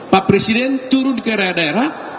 pak presiden turun ke raya raya